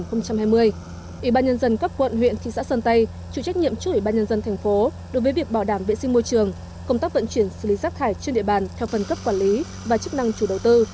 ủy ban nhân dân các quận huyện thị xã sơn tây chủ trách nhiệm trước ủy ban nhân dân thành phố đối với việc bảo đảm vệ sinh môi trường công tác vận chuyển xử lý rác thải trên địa bàn theo phần cấp quản lý và chức năng chủ đầu tư